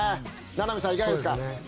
名波さん、いかがですか？